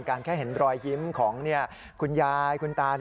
แค่เห็นรอยยิ้มของคุณยายคุณตา